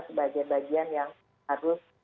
sebagai bagian yang harus